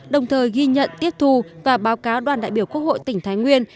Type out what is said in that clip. đồng thời ghi nhận tiết thù và báo cáo đoàn đại biểu quốc hội tỉnh thái nguyên